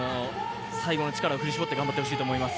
最後の力を振り絞って頑張ってほしいと思います。